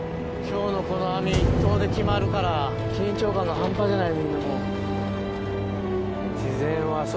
今日で決まるから緊張が半端じゃないみんなもう。